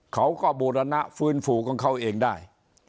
เขาก็บูรณะฟื้นฟูของเขาเองได้